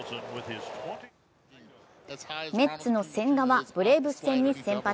メッツの千賀はブレーブス戦に先発。